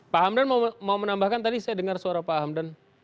pak hamdan mau menambahkan tadi saya dengar suara pak hamdan